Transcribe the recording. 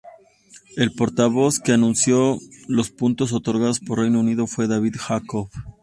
El portavoz que anunció los puntos otorgados por Reino Unido fue David Jacobs.